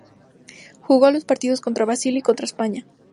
Jugó los partidos contra Brasil y contra España.